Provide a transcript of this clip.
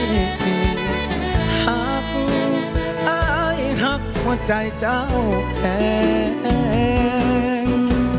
หักหักหักหัวใจเจ้าแข็ง